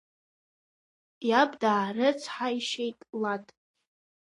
Иаб даарыцҳаишьеит Лад.